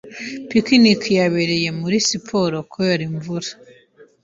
Picnic yaberaga muri siporo kubera imvura.